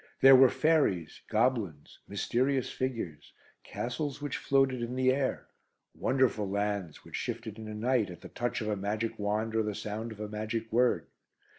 There were fairies, goblins, mysterious figures, castles which floated in the air, wonderful lands which shifted in a night, at the touch of a magic wand or the sound of a magic word.